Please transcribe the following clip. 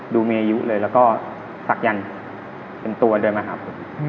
ดูมีอายุเลยแล้วก็สักยันเป็นตัวเดินมาหาผม